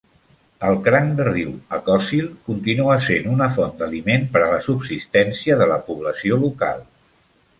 El cranc de riu "acocil" continua sent una font d'aliment per a la subsistència de la població local.